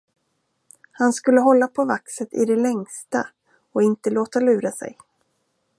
Han skulle hålla på vaxet i det längsta och inte låta lura sig.